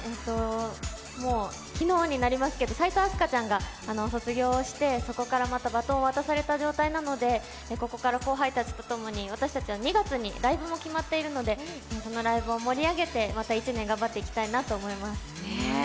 昨日になりますけど、齋藤飛鳥ちゃんが卒業をしてそこからまたバトンを渡された状態なのでここから後輩とともに私たちは２月にライブも決まっているのでそのライブを盛り上げて、また一年頑張っていきたいなと思います。